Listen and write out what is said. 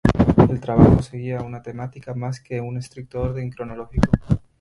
El trabajo seguía una temática, más que un estricto orden cronológico.